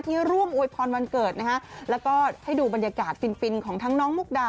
ร่วมอวยพรวันเกิดนะฮะแล้วก็ให้ดูบรรยากาศฟินฟินของทั้งน้องมุกดา